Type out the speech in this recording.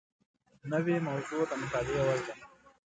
نوې موضوع د مطالعې وړ ده